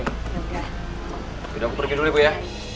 aku pergi dulu ya